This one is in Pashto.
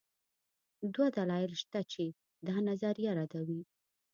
دوه دلایل شته چې دا نظریه ردوي.